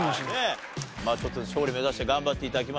まあちょっと勝利目指して頑張って頂きましょう。